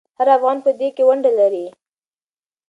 هر افغان په دې کې ونډه لري.